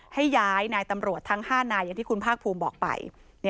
ให้ย้ายนายตำรวจทั้ง๕นายอย่างที่คุณภาคภูมิบอกไป